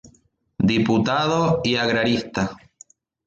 Diputado y agrarista.